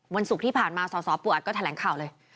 ศุกร์ที่ผ่านมาสสปูอัดก็แถลงข่าวเลย